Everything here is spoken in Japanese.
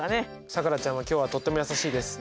さくらちゃんは今日はとっても優しいです。